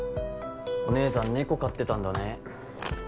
おねえさん猫飼ってたんだね